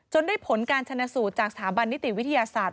ได้ผลการชนะสูตรจากสถาบันนิติวิทยาศาสตร์